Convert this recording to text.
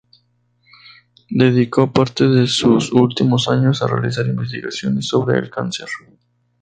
Dedicó parte de sus últimos años a realizar investigaciones sobre el cáncer.